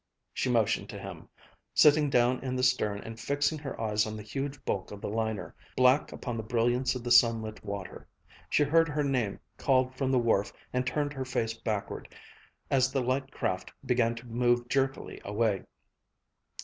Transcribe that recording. she motioned to him, sitting down in the stern and fixing her eyes on the huge bulk of the liner, black upon the brilliance of the sunlit water. She heard her name called from the wharf and turned her face backward, as the light craft began to move jerkily away.